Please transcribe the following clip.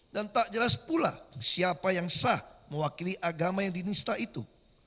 dan tak jelas pula siapa yang sah mewakili agama yang dinista itu